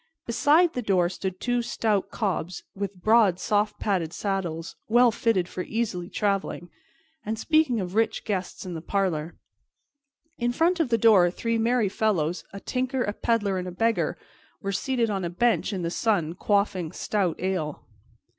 Beside the door stood two stout cobs with broad soft padded saddles, well fitted for easy traveling, and speaking of rich guests in the parlor. In front of the door three merry fellows, a tinker, a peddler, and a beggar, were seated on a bench in the sun quaffing stout ale.